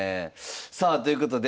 さあということで早速。